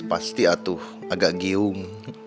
pasti atuh agak giung